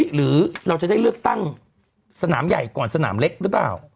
หรือเราจะได้เลือกตั้งสนามใหญ่ก่อนสนามเล็กหรือเปล่า